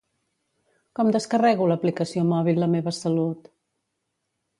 Com descarrego l'aplicació mòbil La meva salut?